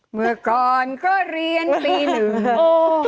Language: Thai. เมื่อก่อนก็เรียนปีหนึ่ง